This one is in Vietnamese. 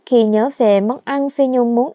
khi nhớ về món ăn phi nhung muốn